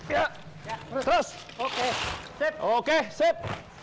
ya terus oke sip